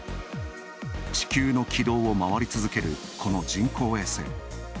地球の軌道を回り続ける、この人工衛星。